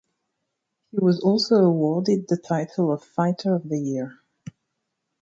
He was also awarded the title of Fighter of the Year.